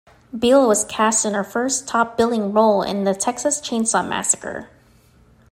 Biel was cast in her first top-billing role in "The Texas Chainsaw Massacre".